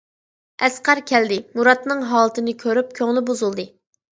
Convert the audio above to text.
ئەسقەر كەلدى، مۇراتنىڭ ھالىتىنى كۆرۈپ كۆڭلى بۇزۇلدى.